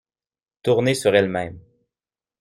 Tourner sur elle-même.